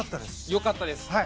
良かったですね。